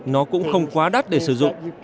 nó cũng không quá đắt để sử dụng